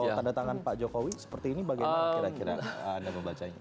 kalau tanda tangan pak jokowi seperti ini bagaimana kira kira anda membacanya